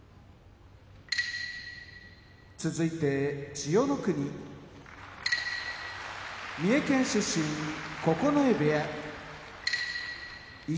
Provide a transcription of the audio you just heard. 千代の国三重県出身九重部屋一